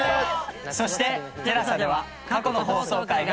そしてＴＥＬＡＳＡでは過去の放送回が見放題です。